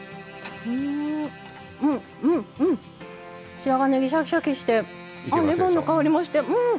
白髪ねぎシャキシャキしてあっレモンの香りもしてうん！